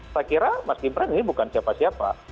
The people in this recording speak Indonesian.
saya kira mas gibran ini bukan siapa siapa